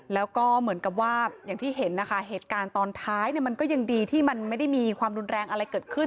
แล้วก็เหมือนกับว่าอย่างที่เห็นนะคะเหตุการณ์ตอนท้ายมันก็ยังดีที่มันไม่ได้มีความรุนแรงอะไรเกิดขึ้น